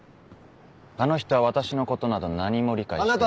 あの人は私のことなど何も理解して。